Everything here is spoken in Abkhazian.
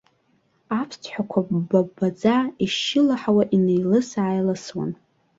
Аԥсҭҳәақәа, бба-ббаӡа, ишьшьылаҳауа, инеилыс-ааилысуан.